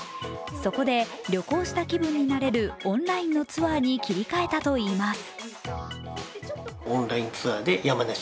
そこで旅行した気分になれるオンラインのツアーに切り替えたといいます。